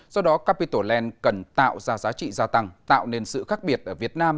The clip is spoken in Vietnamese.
do đó capital land cần tạo ra giá trị gia tăng tạo nên sự khác biệt ở việt nam